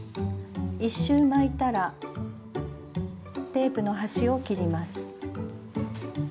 １周巻いたらテープの端を切ります。